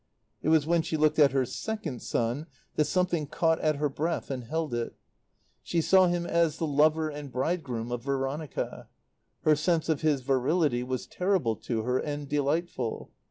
It was when she looked at her second son that something caught at her breath and held it. She saw him as the lover and bridegroom of Veronica. Her sense of his virility was terrible to her and delightful.